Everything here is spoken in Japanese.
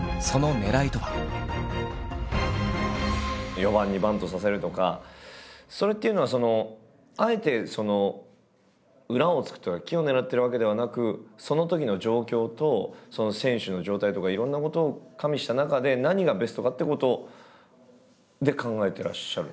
４番にバントさせるとかそれっていうのはあえて裏をつくというか奇をてらってるわけではなくそのときの状況と選手の状態とかいろんなことを加味した中で何がベストかっていうことで考えてらっしゃるんですか？